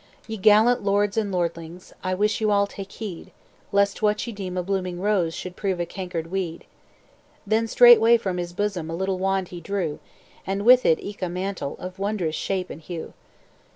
"'Ye gallant lords and lordlings, I wish you all take heed, Lest what ye deem a blooming rose Should prove a cankered weed.' "Then straightway from his bosom A little wand he drew; And with it eke a mantle, Of wondrous shape and hue.